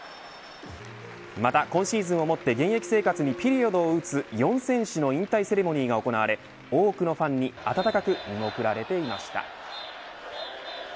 また今シーズンをもって現役生活にピリオドを打つ４選手の引退セレモニーが行われ多くのファンに温かく見送られていました。